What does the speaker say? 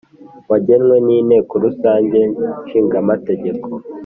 wagenwe n Inteko Rusange nshingamategeko